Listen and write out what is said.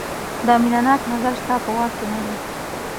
دا مینه ناک نظر ستا په واک کې نه دی.